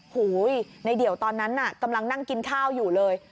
หูยในเดี่ยวตอนนั้นน่ะกำลังนั่งกินข้าวอยู่เลย